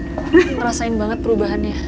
ngerasain banget perubahannya